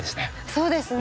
そうですよ！